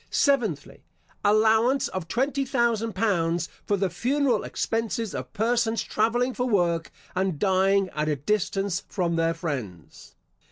Seventhly, Allowance of twenty thousand pounds for the funeral expenses of persons travelling for work, and dying at a distance from their friends.